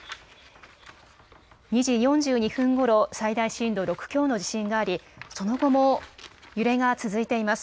２時４２分ごろ、最大震度６強の地震があり、その後も揺れが続いています。